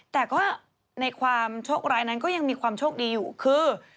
แต่ก็ในความโชคร้ายนั้นก็ยังมีความโชคดีอยู่คือ